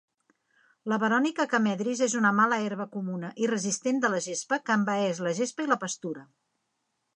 La verònica camedris és una mala herba comuna i resistent de la gespa que envaeix la gespa i la pastura.